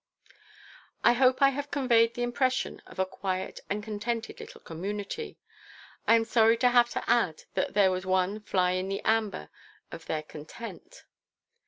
I hope I have conveyed the impression of a quiet and contented little community. I am sorry to have to add that there was one fly in the amber of their content.